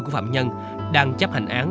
của phạm nhân đang chấp hành án